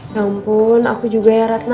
ampun aku juga ya ratna